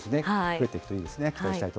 増えていくといいですね。